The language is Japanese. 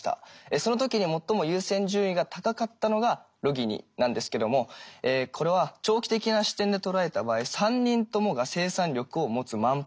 その時に最も優先順位が高かったのがロギニなんですけどもこれは長期的な視点で捉えた場合３人ともが生産力を持つマンパワー